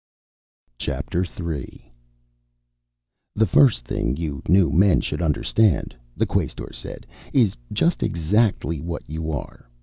Chapter Three "The first thing you new men should understand," the Quaestor said, "is just exactly what you are.